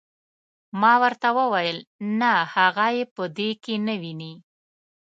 ما ورته وویل نه هغه یې په دې کې نه ویني.